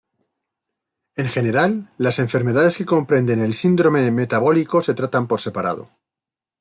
En general, las enfermedades que comprenden el síndrome metabólico se tratan por separado.